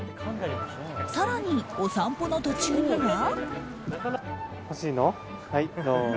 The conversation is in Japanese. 更にお散歩の途中には。